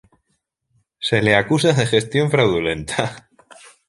Se le acusa de gestión fraudulenta.